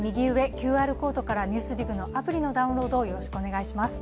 ＱＲコードから「ＮＥＷＳＤＩＧ」のアプリのダウンロードをお願いします。